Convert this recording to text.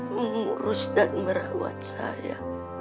pemurus dan merawat saya